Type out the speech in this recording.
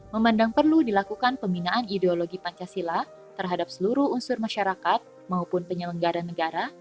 memandang perlu dilakukan pembinaan ideologi pancasila terhadap seluruh unsur masyarakat maupun penyelenggara negara